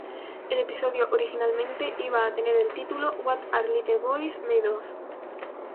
El episodio originalmente iba a tener el título "What Are Little Boys Made Of?